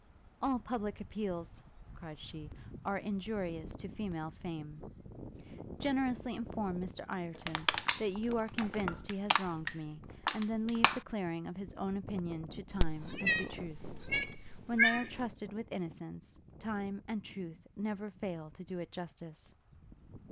'All public appeals,' cried she, 'are injurious to female fame. Generously inform Mr Ireton, that you are convinced he has wronged me, and then leave the clearing of his own opinion to time and to truth. When they are trusted with innocence, Time and Truth never fail to do it justice.'